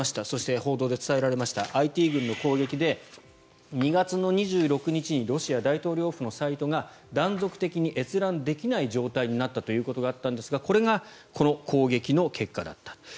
そして報道で伝えられましたＩＴ軍の攻撃で２月２６日にロシア大統領府のサイトが断続的に閲覧できない状態になったということがあったんですがこれがこの攻撃の結果だった。